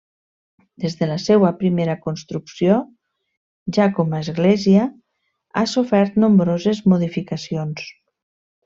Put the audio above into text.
Des de la seua primera construcció, ja com a Església, ha sofert nombroses modificacions.